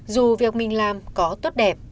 dù việc mình làm có tốt đẹp